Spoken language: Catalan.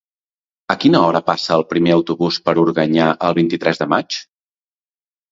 A quina hora passa el primer autobús per Organyà el vint-i-tres de maig?